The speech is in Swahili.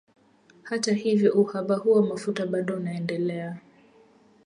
Hata hivyo, uhaba huo wa mafuta bado unaendelea.